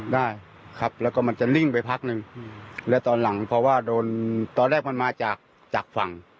ได้ครับแล้วก็มันจะนิ่งไปพักหนึ่งแล้วตอนหลังเพราะว่าโดนตอนแรกมันมาจากจากฝั่ง